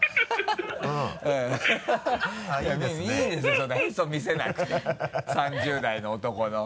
そんなヘソ見せなくて３０代の男の。